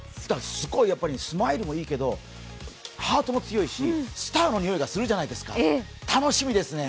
すごいスマイルもいいけどハートも強いしスターの匂いがするじゃないですか、楽しみですね。